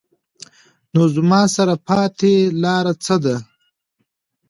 نو زما سره پاتې لار څۀ ده ؟